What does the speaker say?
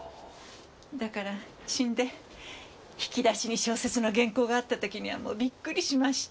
だから死んで引き出しに小説の原稿があった時にはもうびっくりしました。